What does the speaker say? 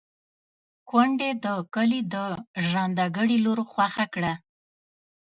کونډې د کلي د ژرنده ګړي لور خوښه کړه.